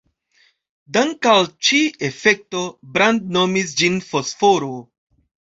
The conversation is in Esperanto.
Dank'al al ĉi-efekto, Brand nomis ĝin fosforo.